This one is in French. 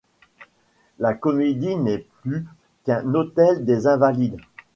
La Comédie n’est plus qu’un hôtel des Invalides.